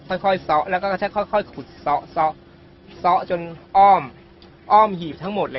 ค่อยค่อยซ้อแล้วก็จะค่อยค่อยขุดซ้อซ้อซ้อจนอ้อมอ้อมหีบทั้งหมดเลยครับ